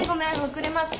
遅れました。